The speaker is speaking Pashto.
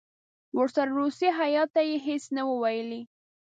ورسره روسي هیات ته یې هېڅ نه وو ویلي.